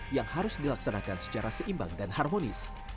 yang harus dilaksanakan secara seimbang dan harmonis